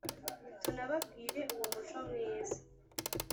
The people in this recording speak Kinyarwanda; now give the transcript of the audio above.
Tunababwire uwo muco mwiza